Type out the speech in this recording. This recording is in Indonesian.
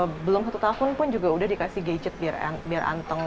belum satu tahun pun juga udah dikasih gadget biar anteng